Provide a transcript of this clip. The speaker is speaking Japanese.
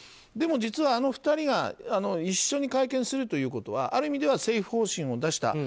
でも実はあの２人が一緒に会見するということはある意味では政府方針を出した。